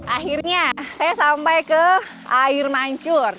akhirnya saya sampai ke air mancur